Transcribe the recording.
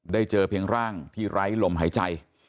เจอเพียงร่างที่ไร้ลมหายใจ